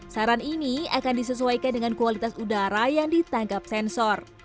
saran ini akan disesuaikan dengan kualitas udara yang ditangkap sensor